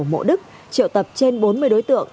mộ đức triệu tập trên bốn mươi đối tượng